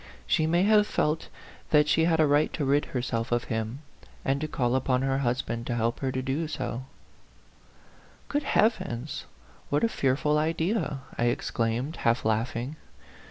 She may have felt that she had a right to rid herself of him, and to call upon her husband to help her to do so," " Good heavens ! What a fearful idea !" I exclaimed, half laughing.